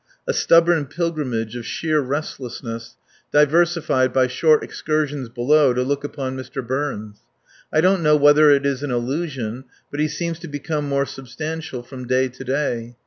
A stubborn pilgrimage of sheer restlessness, diversified by short excursions below to look upon Mr. Burns. I don't know whether it is an illusion, but he seems to become more substantial from day to day.